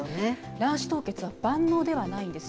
卵子凍結は万能ではないんです。